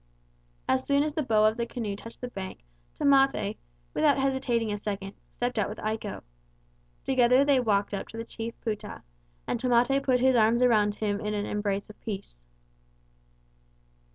As soon as the bow of the canoe touched the bank, Tamate, without hesitating a second, stepped out with Iko. Together they walked up to the chief Pouta, and Tamate put his arms around him in an embrace of peace.